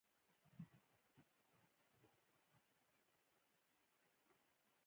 د کوره لرې ژوند کول اسانه نه دي.